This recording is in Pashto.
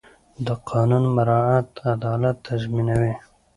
د قانون مراعت عدالت تضمینوي